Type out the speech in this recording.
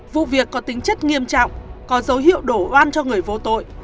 vụ việc có tính chất nghiêm trọng có dấu hiệu đổ oan cho người vô tội